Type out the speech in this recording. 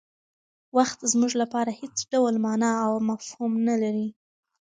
وخت زموږ لپاره هېڅ ډول مانا او مفهوم نه لري.